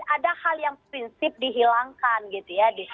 ada hal yang prinsip dihilangkan gitu ya